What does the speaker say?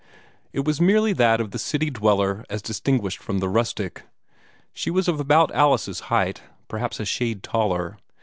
It was merely that of the city dweller as distinguished from the rustic. She was of about Alice's height, perhaps a shade taller.